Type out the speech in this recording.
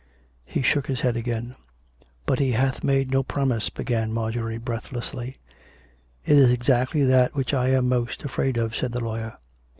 He shook his head again. " But he hath made no promise " began Marjorie breathlessly. " It is exactly that which I am most afraid of," said the lawyer.